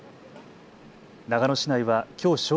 長野市内はきょう正